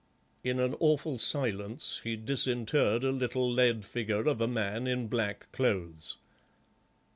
In an awful silence he disinterred a little lead figure of a man in black clothes.